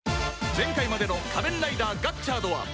前回までの『仮面ライダーガッチャード』は